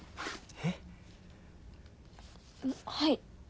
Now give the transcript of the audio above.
えっ⁉はい？